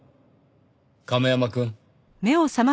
亀山くん。